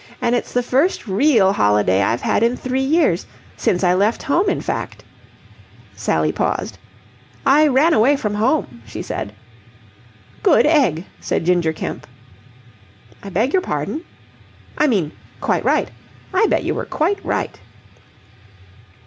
And it's the first real holiday I've had in three years since I left home, in fact." Sally paused. "I ran away from home," she said. "Good egg!" said Ginger Kemp. "I beg your pardon?" "I mean, quite right. I bet you were quite right."